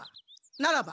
ならば。